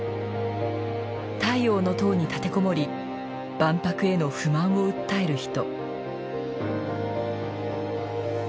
太陽の塔に立て籠もり万博への不満を訴える人。